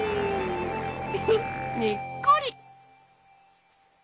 ウフ！にっこり！